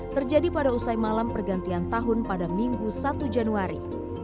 terjadi pada usai malam pergantian tahun pada minggu satu januari